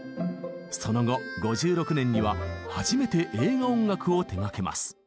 その後５６年には初めて映画音楽を手がけます。